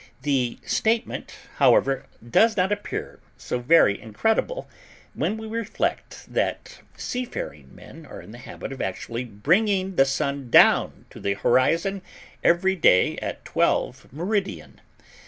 The statement, however, does not appear so very incredible, when we reflect that seafaring men are in the habit of actually bringing the Sun down to the horizon every day at 12 Meridian.